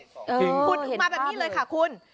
พุดขึ้นมาแบบนี้เลยค่ะคุณ